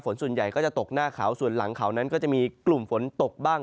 ส่วนใหญ่ก็จะตกหน้าเขาส่วนหลังเขานั้นก็จะมีกลุ่มฝนตกบ้าง